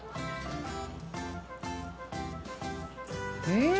うん。